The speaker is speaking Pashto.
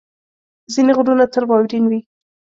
ځینې غرونه تل واورین وي.